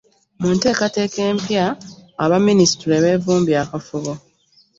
Mu nteekateeka empya aba Minisitule beevumbye akafubo